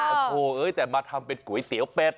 โอ้โหแต่มาทำเป็นก๋วยเตี๋ยวเป็ด